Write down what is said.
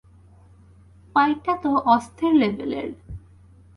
পাইপটা তো অস্থির লেভেলের।